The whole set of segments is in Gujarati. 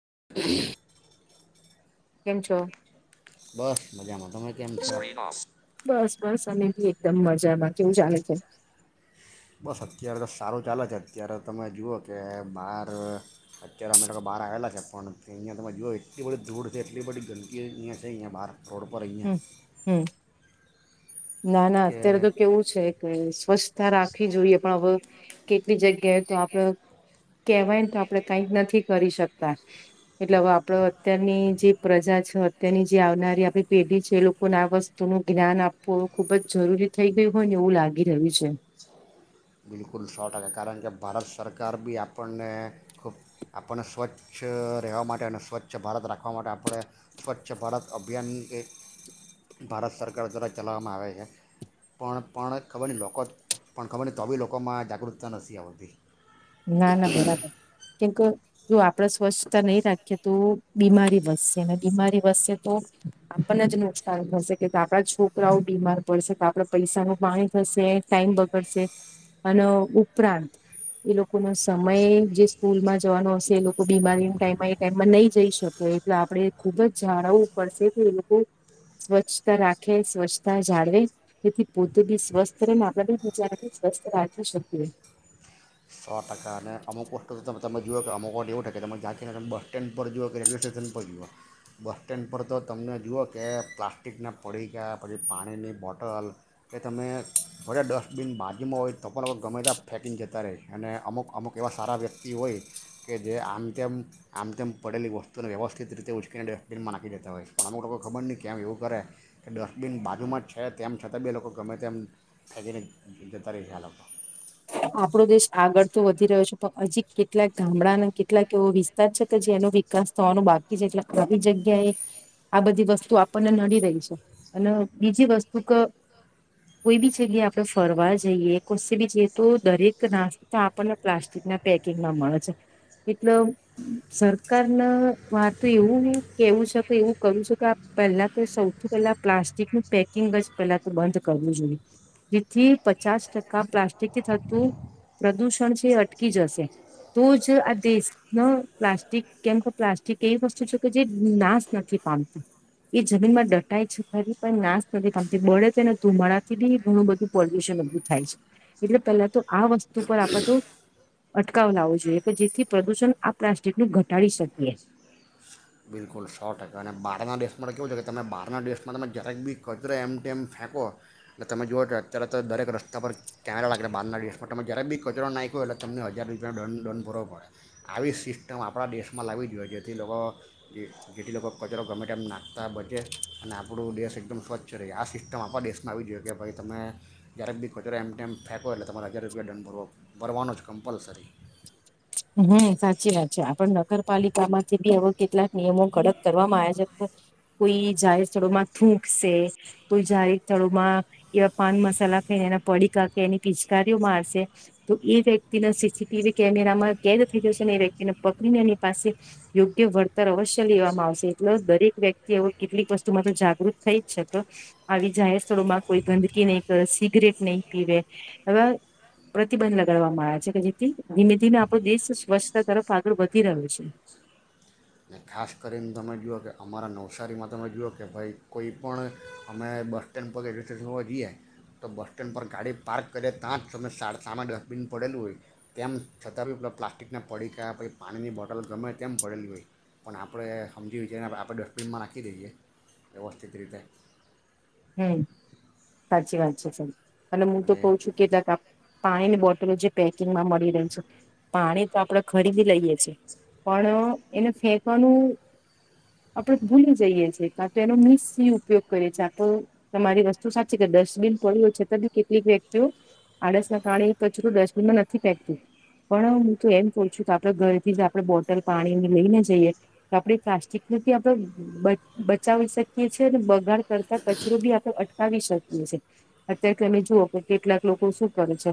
[inaudible] કેમ છો? બસ મજામાં તમે કેમ છો? બસ બસ અને બી એકદમ મજામાં કેવું ચાલે છે? બસ અત્યારે તો સારું ચાલે છે અત્યારે તમે જુઓ કે બહાર અત્યારે અમે લોકો બહાર આવેલા છે પણ અહીંયા તમે જુઓ એટલી બધી ધૂળ છે, એટલી બધી ગંદકી અહીંયા છે અહીંયા બહાર રોડ પર અહીંયા. હમ હમ ના ના કે અત્યારે તો કેવું છે કે સ્વચ્છતા રાખવી જોઈએ પણ હવે કેટલી જગ્યાએ તો આપડ કેહેવાય ને તો આપડે કઈક નથી કરી શકતા એટલેવે આપડ અત્યારની જે પ્રજા છે અત્યારની જે આવનારી આપડી પેઢી છે એ લોકોને આ વસ્તુનું જ્ઞાન આપ વું ખુબ જ જરૂરી થઈ ગયુ હોય ને એવું લાગી રહ્યું છે. બિલકુલ સો ટાગ કારણ કે ભારત સરકાર બી આપણને ખૂબ આપણને સ્વચ્છ રહેવા માટે અને સ્વચ્છ ભારત રાખવા માટે આપણે સ્વચ્છ ભારત અભિયાન એ ભારત સરકાર દ્વારા ચલાવવામાં આવે છે પણ પણ ખબર નહી લોકો પણ ખબર નહી તો બી લોકોમાં જાગૃતતા નથી આવતી. ના ના બરાબર કેમ કે જો આપણે સ્વચ્છતા નહીં રાખીએ તો બીમારી વધશે બીમારી વધશે તો આપણને જ નુકસાન થશે કે આપણા છોકરાઓ બીમાર પડશે તો આપણે પૈસા ન પાણી થશે ટાઈમ બગડશે અને ઉપરાંત એ લોકોનો સમય જે સ્કૂલમાં જવાનો હશે એ લોકો બીમારીનો ટાઈમ હો એ ટાઈમમાં નહી જઈ શકે એટલે આપણે ખૂબ જ જાળવવું પડશે કે એ લોકો સ્વચ્છતા રાખે સ્વચ્છતા જાળવે તેથી પોતે બી સ્વસ્થ રહે ને આપણા બી બિચારા બી સ્વસ્થ રાખી શકીએ. અને અમુક વખતે તમે જુઓ કે અમકોટ એવું થ કે તમે જંને તમે બસ સ્ટેન્ડ પર જુઓ કે રેલવે સ્ટેશન પર જુઓ બસ સ્ટેન્ડ પર તો તમને જુઓ કે પ્લાસ્ટિકના પડીકા પછી પાણીની બોટલ કે તમે બધા ડસ્ટબિન બાજુમાં હોય તો પણ વખત ગમે તં ફેંકી ને જતાં રહે અને અમુક અમુક એવા સારા વ્યક્તિ હોય કે જે આમ તેમ આમ તેમ પડેલી વસ્તુને વ્યવસ્થિત રીતે ઉચકીને ડસ્ટબિનમાં નાખી દેતા હોય છે પણ અમુક લોકો ખબર નહીં કેમ એવું કરે કે ડસ્ટબિન બાજુમાં જ છે તેમ છતાં બે લોકો ગમે તેમ ફેંકીને જતા રહે છે આ લોકો આપડો દેશ આગળ તો વધી રહ્યો છે પણ હજી કેટલાક ગામડાના કેટલાક એવો વિસ્તાર છે કે જેનો વિકાસ થવાનો બાકી છે એટ આવી જગ્યા એ આ બધી વસ્તુ આપણને નડી રહી છે અને બીજી વસ્તુ કે કોઈ બી જગ્યાએ આપણે ફરવા જઈએ કોસી બી તો દરેક નાસ્તા આપણને પ્લાસ્ટિકના પેકિંગમાં મળે છે એટલે સરકારના વાત એવું કેવું છે કે એવું કરવું છે કે પહેલા તો સૌથી પહેલા પ્લાસ્ટિકનું પેકિંગ જ પહેલા તો બંધ કરવું જોઈએ જેથી પચાસ ટકા પ્લાસ્ટ થતું પ્રદુષણ છે અટકી જશે તો જ આ દેશ પ્લાસ્ટિક કેમ કે પ્લાસ્ટિક એવી વસ્તુ છે કે જે નાશ નથી પામતી એ જમીનમાં દટાય છે ખરી પણ નાશ નથી પામતી બળે છેને ધુમાડાથી બી ઘણું બધું પોલ્યુશન ઉભું થાય છે. એટલે પહેલા તો આ વસ્તુ પર આપણે તો અટકાવ લાવવો જોઈએ કે જેથી પ્રદુષણ આ પ્લાસ્ટિક ન ઘટાડી શકીએ. બિલકુલ સો ટકા અને બહારના દેશ માટે કેવું છે કે તમે બહારના દેશમાં તમે જ્યારેક બી કચરો એમ ટેમ ફેંકો એટલે તમે જુઓ છો અત્યારે તો દરેક રસ્તા પર કેમેરા લાગે બારના દેશમાં તમે જ્યારેક બી કચરો નાખ્યો એટલે તમને હજાર રૂપિયાનોં ડ દંડ પૂરવો પડે આવી સિસ્ટમ આપણા દેશમાં લાવી જોઈએ જેથી લોકો જે જેટલી લોકો કચરો ગમે ટાઈમ નાખતા બચે અને આપણું દેશ એકદમ સ્વચ્છ રહે આ સિસ્ટમ આપણા દેશમાં આવી જોઈએ કે ભાઈ તમે જ્યારેક બી કચરો એમ ટાઈમ ફેંકો એટલે તમારે હજાર રૂપિયા દંડ ભરવો ભરવાનો જ કમ્પલસરી. હમ સાચી વાત છે આપણ નગરપાલિકા માંથી બી હવે કેટલાક નિયમો કડક કરવામાં આવે છે કોઈ જાહેર સ્થળોમાં થૂંકશે કોઈ જાહેર સ્થળોમાં એવા પાન મસાલા થઈને એ પડીકા કે એની પિચકારીઓ મારશે તો એ વ્યક્તિના સીસીટીવી કેમેરામાં કેદ થઈ જસે ને એ વ્યક્તિને પકડીને એની પાસે યોગ્ય વળતર અવશ્ય લેવામાં આવશે એટલે દરેક વ્યક્તિ હ કેટલીક વસ્તુમાં તો જાગૃત થઈ જ શકે આવી જાહેર સ્થળોમાં કોઈ ગંદકી નહી કરે સિગરેટ નહી પીવે એવા પ્રતિબંધ લગાડવામાં આવે છે કે જેથી ધીમે ધીમે આપ દેશ સ્વચ્છતા તરફ આગળ વધી રહ્યો છે. અને ખાસ કરીને તમે જુઓ કે અમારા નવસારીમાં તમે જુઓ કે ભાઈ કોઈ પણ અમે બસ સ્ટેન્ડ પર રેલવે સ્ટેશન ઉપર જઈએ તો બસ સ્ટેન્ડ પર ગાડી પાર્ક કરીએ ત્યાં જ તમે સા સામે ડસ્ટબિન પડેલું હોય તેમ છતાં બી પલા પ્લાસ્ટિકના પડીકા પછી પાણીની બોટલ ગમે તેમ પડેલી હોય. પણ આપણે સમજી વિચારી ને આપણે ડસ્ટબિનમાં રાખી દઈએ વ્યવસ્થિત રીતે. હમ સાચી વાત છે સા અને હું તો કઉ છું કે પાણી બોટલો જે પેકિંગમાં મળી રહી છે પાણી તો આપણે ખરીદી લઈએ છે પણ એને ફેકવાનું આપડ ભૂલી જઈએ છેએ કા તો એનો મીસ ઉપયોગ કરીએ છી તમારી વસ્તુ સાચી કે ડસ્ટબિન પડ્યુંય છતાં બી કેટલીક વ્યક્તિઓ આડસના કારણે કચું ડસ્ટબિનમાં નથી, પેંકતી પણ હું તો એમ કહ છું કે આપડ ઘરથી જ આપણે બોટલ પાણી લઈને જઈએ, તો આપણે પ્લાસ્ટિકને આપણે બચાવી શકીએ છી બગાડ. કચરો બી આપણે અટકાવી શકીએ છીએ અત્યારે તમે જુઓ કે કેટલાક લોકો શું કરે છે,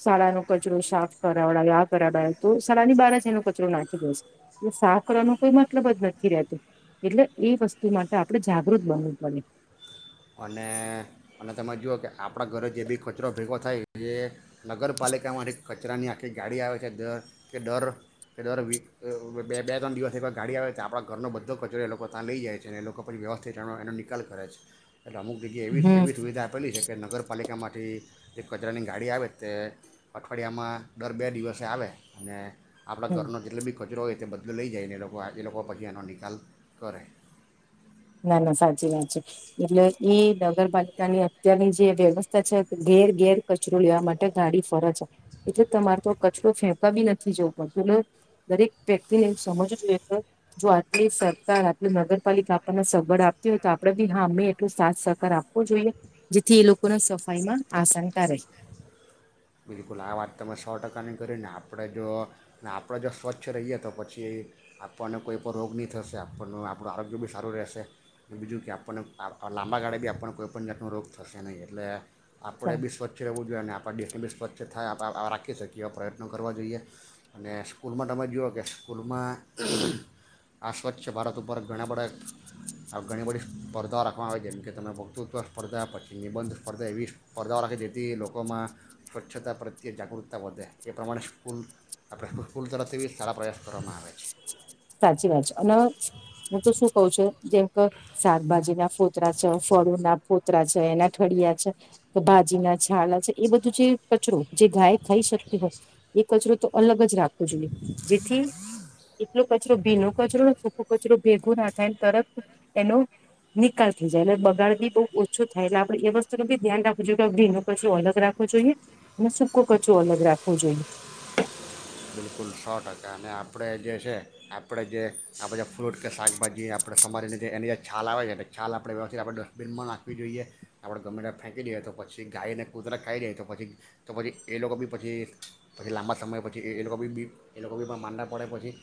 શાળાનોો કચરો સાફ કરાવડાવ આ કરાવડ તો શાની બારા જનો કચરો નાખી દેશે એ સાફ કરવાનો કોઈ મતલબ જ નથી, રહેતો એટલે એ વસ્તુ માટે આપડણે જાગૃત બનવું પડે. અને અને તમે જુઓ કે આપણા ઘરે જે બી કચરો ભેગો થાય એ. નગરપાલિકામાં એક. કચરાની આખી ગાડી આવે છે, દર કે દર કે દર વ બે ત્રણ દિવસ એવા ગાડી આવે તો આપણા ઘરનો બધો કચરો એ લોકો ત્યાં લઈ જાય છે, અને એ લોકો પછી વ્યવસ્થિત રહેનો એનો નિકાલ કરે છે. એટલે અમુક જગ્યા એવી હમ એવી સુવિધા આપેલી છે. કે નગરપાલિકામાંથી જે કચરાની ગાડી આવે તે અઠવાડિયામાં દર બે દિવસે આવે અને. આપણા હમ ઘનો જેટલીીચરો હોય તે બધ. લઈ જાય એને લોકો આજે લોકો લોકો પછી આનો નિકાલ કર. ના ના સાચી વાત છે એટલે ઈ નગરપાલિકાની અત્યારની જે વ્યવસ્થા છે, ઘેર ઘેર કચરો લેવા માટે ગાડી ફરજ છે એટલે તમારે તો કચરો ફેંકા બી નથી, જવું પડતું દરેક વ્યક્તિને સમજવું જોું કે જો આટલી સરકાર આટલ નગરપાલિકા. ને સગવડ આપતી હોય તો આપણેે બી હા મેં એટલો સાથ સહકાર આપવો જોઈએ, જેથી એ લોકોને સફાઈમાં આસાનતા રહે. બિલકુલ આ વાત તમે સો ટકાની કરી ને આપણે જો આપણે જો સ્વચ્છ રહીએ, તો પછી આપણને કોઈ પણ રોગ નહીં થશે આપણનું આપણું આરોગ્ય બી સારું રહેશે બીજું કે આપણને લાંબા ગાળે બી આપણને કોઈપણ જાતનો રોગ થશે નહીં એટલે. આપણે બી સ્વચ્છ રહેવું જોઈએ ને આપણે. [unintelligible] સ્વચ્છ થાય આપ રાખી શકીએ એવા પ્રયત્નો કરવા જોઈએ, અને સ્કૂલમાં તમે જુઓ કે સ્કૂલમાં આ સ્વચ્છ ભારત ઉપર ઘણા બધા ઘણી બધી સ્પર્ધાઓ રાખવામાં આવે જેમકે તમે ભક્તૃત્વ સ્પર્ધા પછી નિબંધ સ્પર્ધા એવી સ્પર્ધાઓ રાખી જેથી લોકોમાં સ્વચ્છ. સ્વચ્છતા પ્રત્યે જાગૃતતા વધે એ પ્રમાણે સ્કૂલ આપણે સ્કૂલ તરફથી બ સારા પ્રયાસ કરવામાં આવે છે. સાચી વાત છે, અને હું તો શું કહઉ છું જેમ કે શાકભાજી ના ફોતરા છે ફળો ના ફોતરા છે એના થળિયા છે, કે ભાજી ના છાલા છે એ બધું જે કચરો જે ગાય ખાઈ શકતી હોય એ કચરો તો અલગ જ રાખવું જોઈએ જેથી એટલો કચરો ભીનો કચરો સૂકો કચરો ભેગો ના થાયને તરફ એનો નિકાલ થઈ જાય એટલે બગાડ ભી બહુ ઓછો થાય, એટલે આપણે એ વસ્તુ ન બી ધ્યાન રાખવું જોઈએ કે ભીનો કચરો અલગ રાખવો જોઈએ, અને સૂકો કચરો અલગ રાખવો જોઈએ. કલ સો ટકા અને આપણે જે છે આપણે જે આપણે જે ફ્રૂટ કે શાકભાજી આપણે સમારીને જે એની જે છાલ આવે છે, છાલ આપણે વ્યવસ્થિત આપણે ડસ્ટબિનમાં નાખવી જોઈએ આપણે ગમેને ફેંકી દઈએ તો પછી ગાયને કૂતરા ખાઈ દઈએ તો પછી તો પછી એ લોકો બી પછી પછી લાંબા સમય પછી એ લોકો બી બી એ લોકો બીમાં માંડા પડે પછી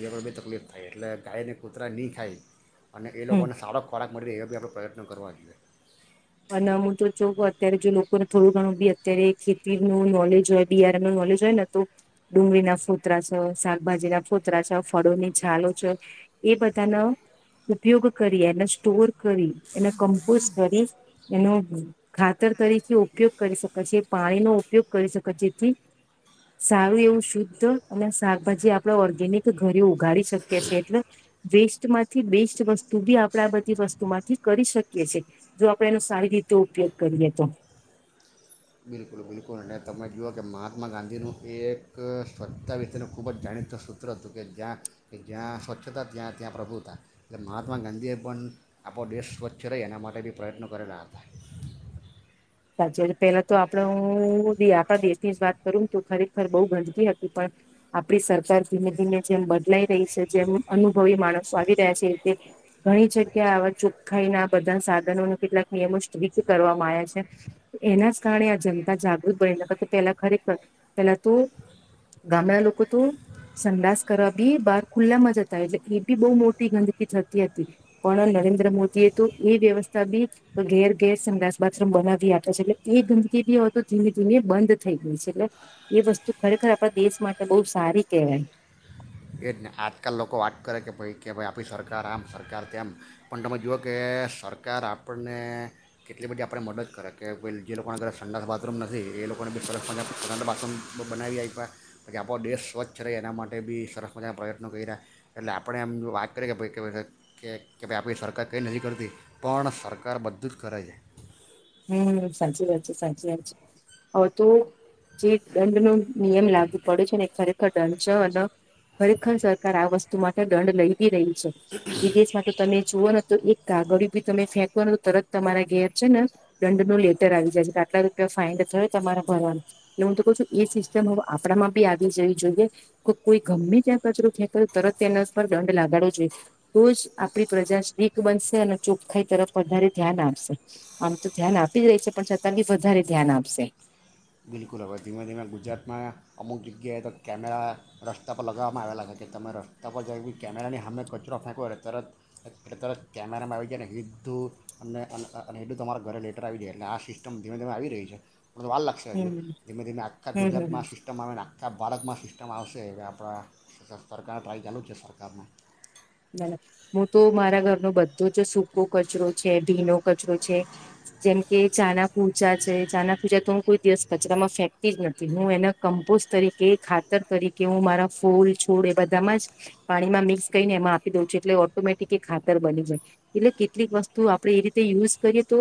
એની બી તકલીફ થાય એટલે ગાયને કૂતરા નહીં, ખાય અને એ હમ લોકોને સારો ખોરાક મળી રહે એવા બી આપણે પ્રયત્નો કરવા જોઈએ. અને હું તો ચઉં અત્યારે જો લોકોને થોડું ઘણું બી અત્યારે ખેતીનું નોલેજ હોય, બિયારાનું નોલેજ હોય ને તો ડુંગળીના ફોતરા છે શાકભાજી ના ફોતરા છે ફળોની છાલો છે એ બધાનો ઉપયોગ કરી એને સ્ટોર કરી એને કમ્પોઝ કરી. એનો ખાતર તરીકે ઉપયોગ કરી શકે છે, પાણીનો ઉપયોગ કરી શકે જેથી સારું એવું શુદ્ધ અને શાકભાજી આપણા ઓર્ગેનિક ઘરે ઉગાડી શકીએ છેએ એટલે વેસ્ટમાંથી બેસ્ટ વસ્તુ બી આપણે આ બધી વસ્તુમાંથી કરી શકીએ છીએ જો. સારી રીતે ઉપયોગ કરીએ તો. બિલકુલ બિલકુલ અને તમે જુઓ કે મહાત્મા ગાંધીનું એ એક સ્વચ્છતા વિશેનું ખૂબ જ જાણીત સૂત્ર હતું, કે જ્યાં જ્યાં સ્વચ્છતા ત્યાં ત્યાં પ્રભુ હતા એટલે મહાત્મા ગાંધીએ પણ આપણો દેશ સ્વચ્છ રહે એના માટે બી પ્રયત્નો કરેલા હતા. સાચ પેલા તો આપડ આપણા દેશની જ વાત કરું ને તો ખરેખર બહુ ગંદકી હતી, પણ આપડી સરકાર ધીમે ધીમે જેમ બદલાઈ રહી છે, જેમ અનુભવી માણસો આવી રહ્યા છે એ ઘણી જગ્યા આવા ચોખ્ખાઈ ના બધા સાધનોના કેટલાક નિયમો સ્ટ્રીક કરવામાં આવ્યા છે. એના જ કારણે આ જનતા જાગૃત બનીને કર પેલા ખરેખર પેલા તો ગામડા લોકો તો સંડાસ કરવા બી બહાર ખુલ્લામાં જતા એટલે એ બી બહુ મોટી ગંદકી થતી હતી, પણ નરેન્દ્ર મોદીએ તો એ વ્યવસ્થા બી ઘેર ઘેર સંડાસ બાથરૂમ બનાવી આપે છે, એટલે એ ગંદકી બી તો ધીમે ધીમે બંધ થઈ ગઈ છે એટલે એ વસ્તુ ખરેખર આપણા દેશ માટે બહુ સારી કહેવાય. એ જ આજકાલ લોકો વાત કરે કે ભાઈ કે ભાઈ આપણી સરકાર આમ સરકાર તેમ પણ તમે જુઓ કે સરકાર આપણને કેટલી બધી આપણે મદદ કરે કે જે લોકોના ઘરે સંડાસ બાથરૂમ નથી, એ લોકોને બી સરસ મ સડ બાથરૂમ બ બનાવી આપ્યા પછી, આપણો દેશ સ્વચ્છ રહે એના માટે બી સરસ બધાના પ્રયત્નો કરી રહ્યા એટલે આપણે એમ જો વાત કરીએ, કે ભ કે ભાઈ આપણી સરકાર કંઈ નથી કરતી પણ સરકાર બધું જ કરે છે. હમ સાચી વાત છે સાચી વાત છે હવે તો જે દંડ ન નિયમ લાગવું પડે છે, ને ખરેખર દંડ છે અને ખરેખર સરકાર આ વસ્તુ માટે દંડ લઈ બ રહી છે જે દ સાથે તમે જુઓને તો એક કાગળ બી તમે ફેંકવા તો તરત તમારા ઘેર છે ને. દંડનું લેટર આવી જાય છે કે આટલા રૂપિયા ફાઇડ થયો તમારા ભરવાનું એટલે હું તો કઉ છું એ સિસ્ટમ હ આપણામાં બી આવી જવી જોઈએ કે કોઈ ગમે ત્યાં કચરો ફેંક તરત તેના પર દંડ લાગાડવો જોઈએ તો જ આપણી પ્રજા શ્ટીક બનશે અને ચોખાઈ તરફ વધારે ધ્યાન આપશે આમ તો ધ્યાન આપી જ રહીશે પણ છતાં બી વધારે ધ્યાન આપશે. લ હવે ધીમે ધીમે ગુજરાતમાં અમુક જગ્યાએ તો કેમેરા રસ્તા પર લગાવવામાં આવેલા છે, કે તમે રસ્તા પર જાવ કેમેરાની સામે કચરો ફેંકો તરત તરત કેમેરામાં આવી જાય ને હેદું હેધું તમારા ઘરે લેટર આવી જાય એટલે આ સિસ્ટમ ધીમે ધીમે આવી રહી છે. વાલ લક્ષ્ય હજી હમ ધીમે ધીમે આખા હમ હમ ગુજરાતમાં સિસ્ટમ આવેને આખા બાારતમાં સિસ્ટમ આવશે એવે આપણા સરકારને ટ્રાય ચાલુ જ છે સરકારમાં. ના હું તો મારા ઘરનો બધો જ સૂકો કચરો છે, ભીનો કચરો છે જેમકે ચાના કુચા છે ચાના કુચા તો હું કોઈ દિવસ કચરામાં ફેંકતી જ નથી હું એના કમ્પોસ્ટ તરીકે ખાતર તરીકે હું મારા ફૂલ છોડ એ બધામાં જ પાણીમાં મિક્સ કરીને એમાં આપ દ એટલે ઓઑટોમેટિક એ ખાતર બની જાય, એટલે કેટલીક વસ્તુ આપણેે એ રીતે યુઝ કરીએ તો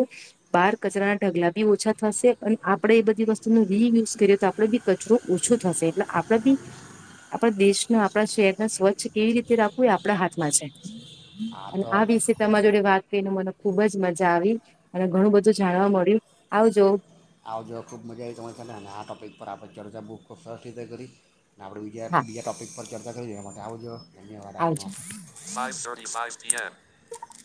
બહાર કચરાના ઢગલા બી ઓછા થશે અને આપણેે એ બધી વસ્તુનો રીયુઝ કરીએ તો આપડે બી કચરો ઓછો થશે એટલે આપણે બી આપણા દેશના આપણા શહેરના સ્વચ્છ કેવી રીતે રાખવું આપડા હાથમાં છે અને આ વિષ તમારા જોડે વાત કરીને મને ખુબ જ મજા આવી અને ઘણું બધું જાણવા મળ્યું આવજો આવ જો ખૂબ મજા આવી તમારી સાથે આ ટોપિક પર આ ચર્ચા બુક ખૂબ સરસ રીતે કરી આપણે બીજા હા બીજા ટોપીક પર [unintelligible] માટે આવું જો ધન્યવાદ આપનો આવજો. [inaudible]